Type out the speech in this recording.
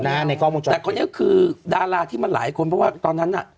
แต่ดาราที่มันหลายคนตอนนั้นอ่ะ